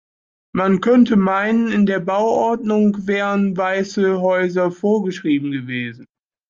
Man könnte meinen in der Bauordnung wären weiße Häuser vorgeschrieben gewesen.